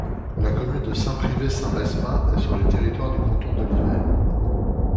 La commune de Saint-Pryvé-Saint-Mesmin est sur le territoire du canton d'Olivet.